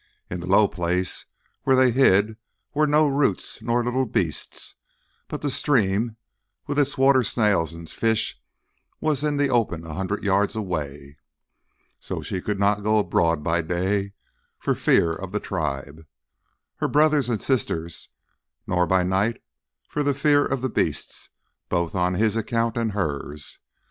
In the low place where they hid were no roots nor little beasts, and the stream, with its water snails and fish, was in the open a hundred yards away. She could not go abroad by day for fear of the tribe, her brothers and sisters, nor by night for fear of the beasts, both on his account and hers.